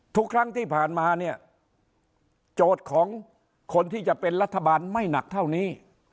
ทุกครั้งที่ผ่านมาเนี่ยโจทย์ของคนที่จะเป็นรัฐบาลไม่หนักเท่านี้